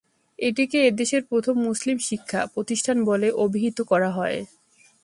এটিকে এদেশের প্রথম মুসলিম শিক্ষা প্রতিষ্ঠান বলে অভিহিত করা হয়।